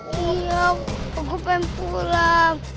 iya gue pengen pulang